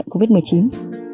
của dịch bệnh covid một mươi chín